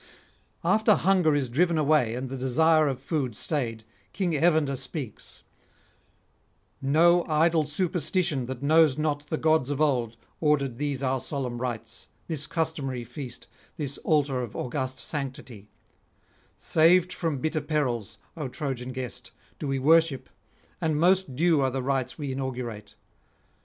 After hunger is driven away and the desire of food stayed, King Evander speaks: 'No idle superstition that knows not the gods of old hath ordered these our solemn rites, this customary feast, this altar of august sanctity; saved from bitter perils, O Trojan guest, do we worship, and [189 225]most due are the rites we inaugurate.